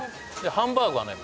ハンバーグはね